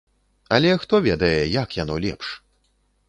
Але хто ведае, як яно лепш?